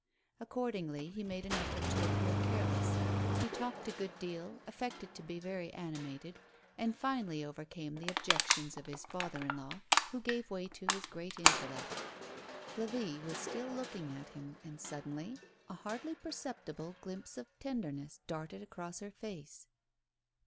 Accordingly he made an efibrt to appear careless ; he talked a good deal, affected to be veiy animated, and finally overcame the objections of his father in law, who gave way to his great intellect. Flavie was still looking at him, and suddenly a hardly perceptible glimpse of tenderness darted across her face.